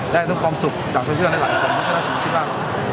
ได้ความสุขจากเพื่อนหลายคนมาขึ้นอยู่บ้าน